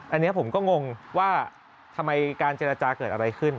อันนี้ผมก็งงว่าทำไมการเจรจาเกิดอะไรขึ้น